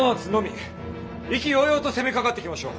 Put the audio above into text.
意気揚々と攻めかかってきましょう。